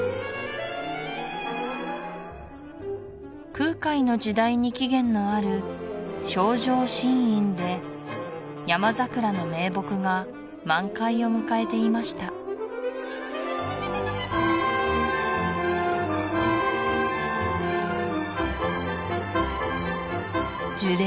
空海の時代に起源のある清浄心院で山桜の名木が満開を迎えていました樹齢